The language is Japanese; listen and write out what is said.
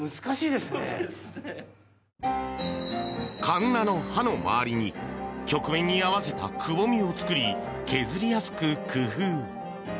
かんなの刃の周りに曲面に合わせたくぼみを作り削りやすく工夫。